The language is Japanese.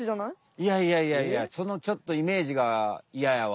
いやいやいやいやそのちょっとイメージがいややわ。